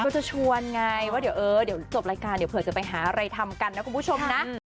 ก็จะชวนไงว่าเดี๋ยวจบรายการเผื่อจะไปหาอะไรทำกันนะคุณผู้ชมนะ